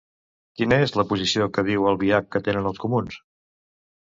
Quina és la posició que diu Albiach que tenen els comuns?